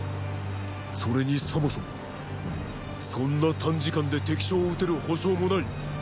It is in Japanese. それにそもそもそんな短時間で敵将を討てる保証もない。